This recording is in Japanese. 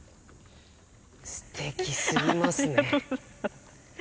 すてきすぎますね。